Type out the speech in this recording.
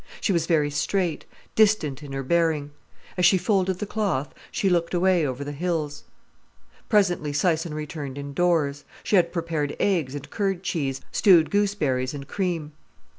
She was very straight, distant in her bearing. As she folded the cloth, she looked away over the hills. Presently Syson returned indoors. She had prepared eggs and curd cheese, stewed gooseberries and cream.